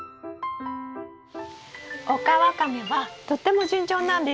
オカワカメはとっても順調なんです。